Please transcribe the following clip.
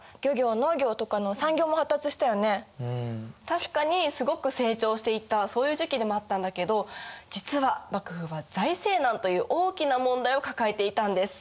確かにすごく成長していったそういう時期でもあったんだけど実は幕府は財政難という大きな問題を抱えていたんです。